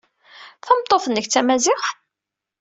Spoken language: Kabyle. Tameṭṭut-nnek d Tamaziɣt?